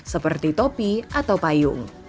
seperti topi atau payung